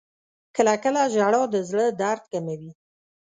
• کله کله ژړا د زړه درد کموي.